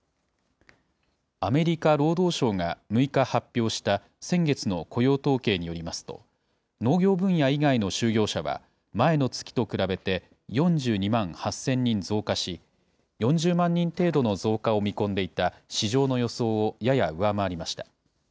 アメリカ労働省が６日発表した先月の雇用統計によりますと、農業分野以外の就業者は、前の月と比べて４２万８０００人増加し、４０万人程度の増加を見込んでいた市場の予想をやや上回りました。